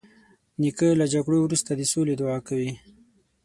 نیکه له جګړو وروسته د سولې دعا کوي.